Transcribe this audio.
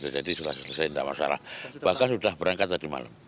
jadi selesai selesai tidak masalah bahkan sudah berangkat tadi malam